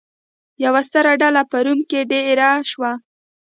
یوه ستره ډله په روم کې دېره شوه.